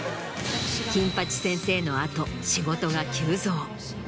『金八先生』の後仕事が急増。